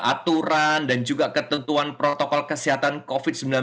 aturan dan juga ketentuan protokol kesehatan covid sembilan belas